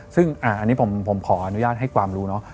ซึ่งอันนี้ผมขออนุญาตให้ความรู้เนาะ